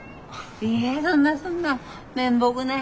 いいえそんなそんな面目ない。